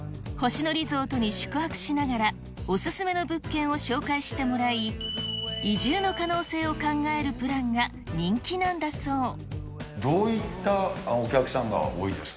星野リゾートに宿泊しながら、お勧めの物件を紹介してもらい、移住の可能性を考えるプランが人どういったお客様が多いです